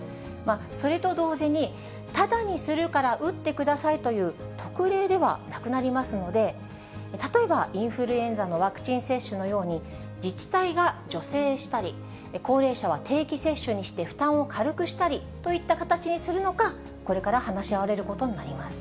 それと同時に、ただにするから打ってくださいという、特例ではなくなりますので、例えばインフルエンザのワクチン接種のように、自治体が助成したり、高齢者は定期接種にして負担を軽くしたりといった形にするのか、これから話し合われることになります。